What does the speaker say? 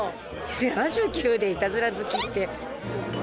７９でいたずら好きって。